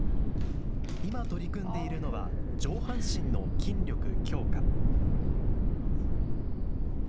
今、取り組んでいるのは上半身の筋力強化。